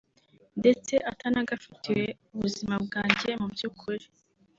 ndetse atanagafitiye ubuzima bwanjye mu by’ukuri